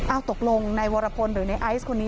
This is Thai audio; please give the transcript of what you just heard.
อ้าวตกลงในวรพลหรือในไอซคนนี้